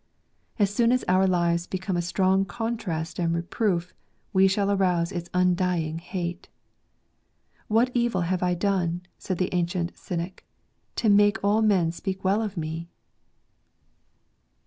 As soon as our lives become a strong contrast and reproof, we shall arouse its undying hate. "What evil have I done," said the ancient Cynic, " to make all men speak well of me